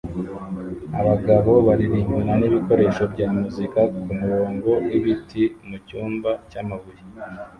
abagabo baririmbana nibikoresho bya muzika kumurongo wibiti mucyumba cyamabuye